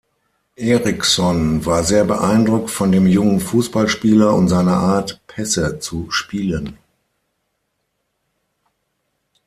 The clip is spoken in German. Ericsson war sehr beeindruckt von dem jungen Fußballspieler und seiner Art, Pässe zu spielen.